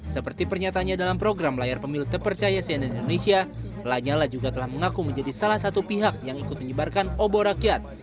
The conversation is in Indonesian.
seperti pernyatanya dalam program layar pemilu terpercaya cnn indonesia lanyala juga telah mengaku menjadi salah satu pihak yang ikut menyebarkan obor rakyat